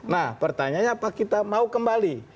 nah pertanyaannya apa kita mau kembali